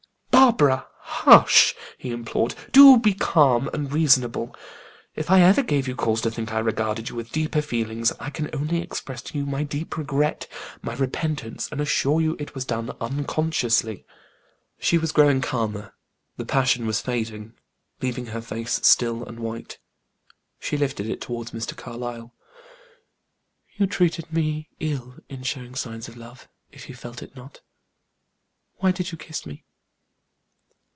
"Barbara, hush!" he implored: "do be calm and reasonable. If I ever gave you cause to think I regarded you with deeper feelings, I can only express to you my deep regret, my repentance, and assure you it was done unconsciously." She was growing calmer. The passion was fading, leaving her face still and white. She lifted it toward Mr. Carlyle. "You treated me ill in showing signs of love, if you felt it not. Why did you kiss me?"